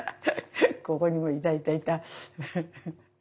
ここにもいたいたいた。